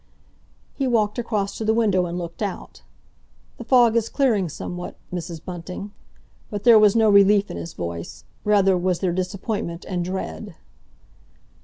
He walked across to the window and looked out. "The fog is clearing somewhat; Mrs. Bunting," but there was no relief in his voice, rather was there disappointment and dread.